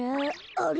あれ？